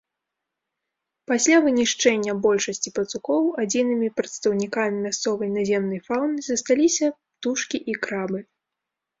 Пасля вынішчэння большасці пацукоў адзінымі прадстаўнікамі мясцовай наземнай фаўны засталіся птушкі і крабы.